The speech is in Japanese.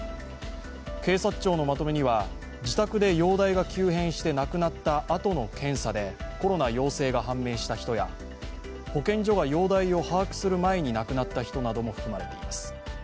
警察庁のまとめには、自宅で容体が急変して亡くなったあとの検査でコロナ陽性が判明した人や、保健所が容体を把握する前に亡くなった人なども含まれています。